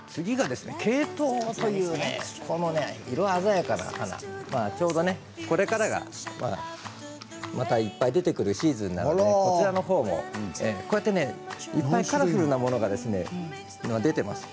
ケイトウという色鮮やかな花ちょうどこれからがまたいっぱい出てくるシーズンなんでいっぱいカラフルなものが出ています。